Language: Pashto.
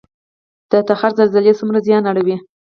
د تخار زلزلې څومره زیان اړوي؟